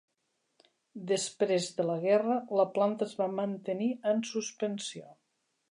Després de la guerra, la planta es va mantenir en suspensió.